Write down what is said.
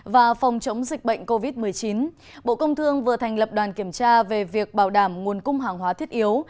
và phòng chống dịch bệnh covid một mươi chín bộ công thương vừa thành lập đoàn kiểm tra về việc bảo đảm nguồn cung hàng hóa thiết yếu